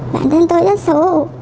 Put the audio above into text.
bản thân tôi rất xấu hổ